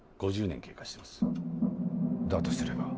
だとすれば。